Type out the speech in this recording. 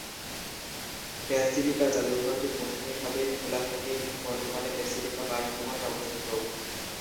Basilica জাদুঘরটি মৌসুমিভাবে খোলা থাকে এবং বর্তমানে ব্যাসিলিকা বাসভবনে অবস্থিত।